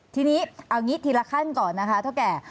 ทีนี้เอางี้ทีละขั้นก่อนนะคะเท่าแก่